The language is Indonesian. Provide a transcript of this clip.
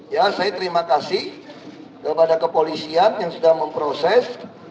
ya saya terima kasih kepada kepolisian yang sudah memproses